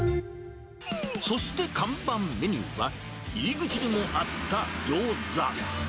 そして看板メニューは、入り口にもあったギョーザ。